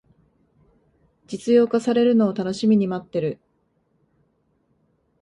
実用化されるのを楽しみに待ってる